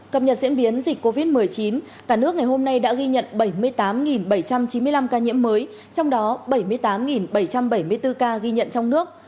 cập nhật diễn biến dịch covid một mươi chín cả nước ngày hôm nay đã ghi nhận bảy mươi tám bảy trăm chín mươi năm ca nhiễm mới trong đó bảy mươi tám bảy trăm bảy mươi bốn ca ghi nhận trong nước